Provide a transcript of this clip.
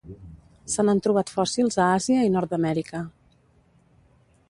Se n'han trobat fòssils a Àsia i Nord-amèrica.